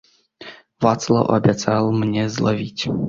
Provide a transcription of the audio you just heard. Вацлаў абяцаў мне злавіць.